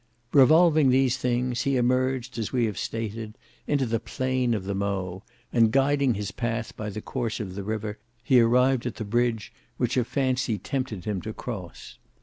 Revolving these things, he emerged, as we have stated, into the plain of the Mowe, and guiding his path by the course of the river, he arrived at the bridge which a fancy tempted him to cross.